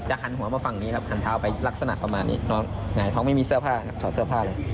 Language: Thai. จะหันหัวละฝั่งนี้นะครับหันเท้าไปลักษณะกับหน้าแหน่งเขาไม่มีเสื้อผ้าเลย